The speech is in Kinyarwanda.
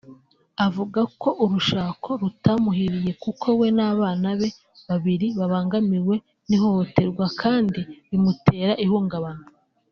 avuga ko urushako rutamuhiriye kuko we n’abana be babiri babangamiwe n’ihohoterwa kandi bimutera ihungabana